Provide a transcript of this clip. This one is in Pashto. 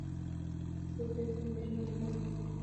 ټپي سړی د ژوند لپاره دعا کوي.